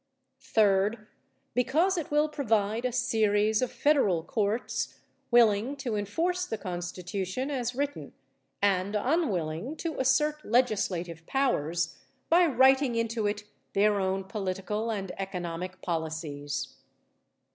Third, because it will provide a series of federal courts willing to enforce the Constitution as written, and unwilling to assert legislative powers by writing into it their own political and economic policies.